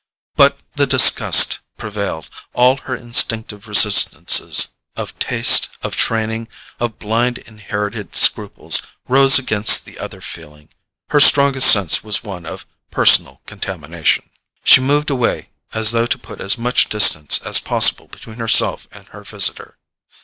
But the disgust prevailed—all her instinctive resistances, of taste, of training, of blind inherited scruples, rose against the other feeling. Her strongest sense was one of personal contamination. She moved away, as though to put as much distance as possible between herself and her visitor.